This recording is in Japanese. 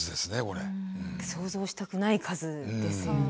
想像したくない数ですよね。